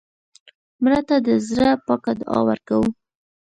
مړه ته د زړه پاکه دعا ورکوو